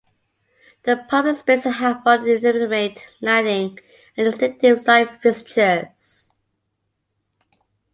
The public spaces have more intimate lighting and distinctive light fixtures.